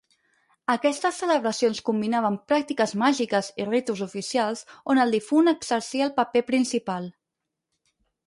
Aquestes celebracions combinaven pràctiques màgiques i ritus oficials on el difunt exercia el paper principal.